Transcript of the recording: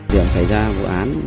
điểm xảy ra vụ án